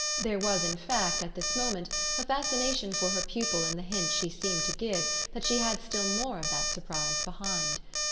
There was in fact at this moment a fascination for her pupil in the hint she seemed to give that she had still more of that surprise behind.